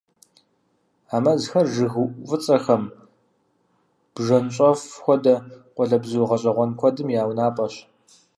А мазхэр жыгыуӀу фӀыцӀэхэм, бжэнщӀэф хуэдэ къуалэбзу гъэщӀэгъуэн куэдым я унапӏэщ.